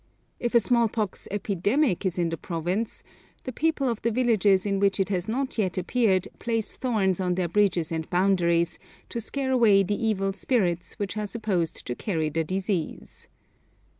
If a small pox epidemic is in the province, the people of the villages in which it has not yet appeared place thorns on their bridges and boundaries, to scare away the evil spirits which are supposed to carry the disease.